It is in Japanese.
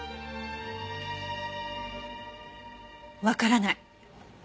わからない。